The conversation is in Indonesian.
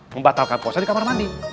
membatalkan puasa di kamar mandi